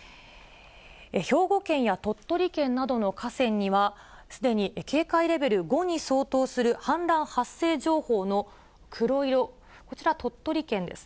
兵庫県や鳥取県などの河川には、すでに警戒レベル５に相当する氾濫発生情報の黒色、こちら鳥取県です。